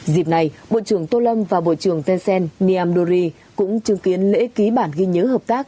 dịp này bộ trưởng tô lâm và bộ trưởng tên xe niêm đô ri cũng chứng kiến lễ ký bản ghi nhớ hợp tác